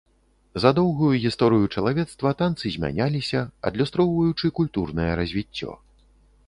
За доўгую гісторыю чалавецтва танцы змяняліся, адлюстроўваючы культурнае развіццё.